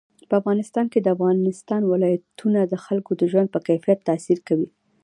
په افغانستان کې د افغانستان ولايتونه د خلکو د ژوند په کیفیت تاثیر کوي.